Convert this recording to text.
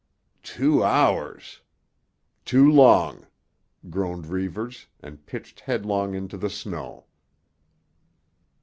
"Two hours? Too long," groaned Reivers and pitched headlong into the snow.